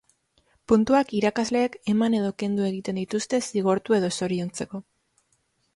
Puntuak irakasleek eman edo kendu egiten dituzte zigortu edo zoriontzeko.